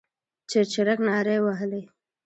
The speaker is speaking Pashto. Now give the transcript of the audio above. چرچرک نارې وهلې.